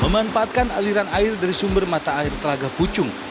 memanfaatkan aliran air dari sumber mata air telaga pucung